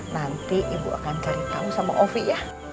nanti ibu akan cari tahu sama ovi ya